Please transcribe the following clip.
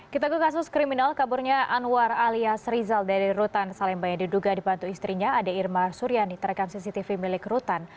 kita ke kasus kriminal kaburnya anwar alias rizal dari rutan salemba yang diduga dibantu istrinya ade irma suryani terekam cctv milik rutan